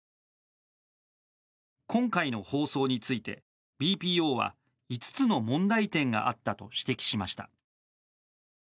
今回の放送についてＢＰＯは５つの問題点があったと指摘しました。